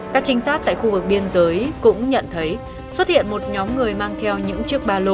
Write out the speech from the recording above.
các trinh sát tại khu vực biên giới cũng nhận thấy xuất hiện một nhóm người mang theo những chiếc ba lô